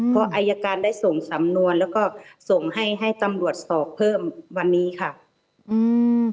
เพราะอายการได้ส่งสำนวนแล้วก็ส่งให้ให้ตำรวจสอบเพิ่มวันนี้ค่ะอืม